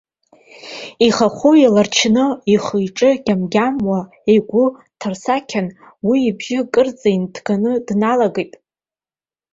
Ихахәы еилачны, ихы-иҿы гьамгьамуа, игәы ҭырсакьан, уи ибжьы акырӡа иныҭганы дналагеит.